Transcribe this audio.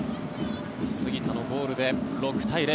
杉田のゴールで６対０。